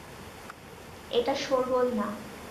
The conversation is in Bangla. এটা শোরগোল না!